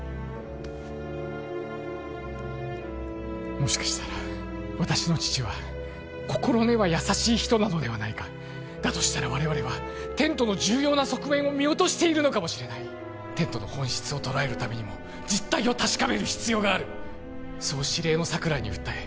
もしかしたら私の父は心根は優しい人なのではないかだとしたら我々はテントの重要な側面を見落としているのかもしれないテントの本質を捉えるためにも実態を確かめる必要があるそう司令の櫻井に訴え